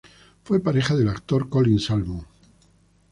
Fue pareja del actor Colin Salmon.